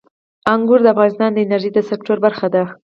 انګور د افغانستان د انرژۍ د سکتور برخه ده.